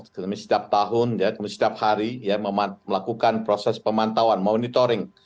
kami setiap tahun kami setiap hari melakukan proses pemantauan monitoring